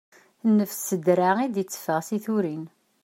Nnefs s ddraɛ i d-itteffaɣ seg turin.